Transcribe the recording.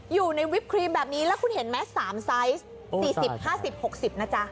อยู่ในวิปครีมแบบนี้แล้วคุณเห็นไหม๓ไซส์๔๐๕๐๖๐นะจ๊ะ